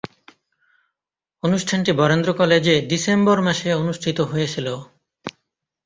অনুষ্ঠানটি বরেন্দ্র কলেজে ডিসেম্বর মাসে অনুষ্ঠিত হয়েছিলো।